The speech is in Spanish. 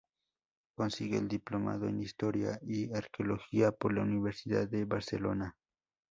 Consigue el Diplomado en Historia y Arqueología por la Universidad de Barcelona.